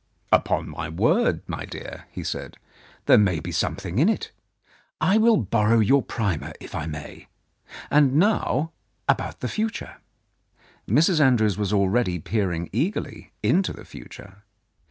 "Upon my word, my dear," he said, "there may be something in it. I will borrow your primer, if I may. And now about the future." Mrs. Andrews was already peering eagerly into the future.